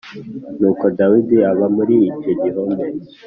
Nuko Dawidi aba muri icyo gihome